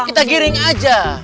kita giring aja